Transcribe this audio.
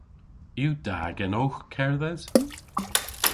Yw da genowgh kerdhes?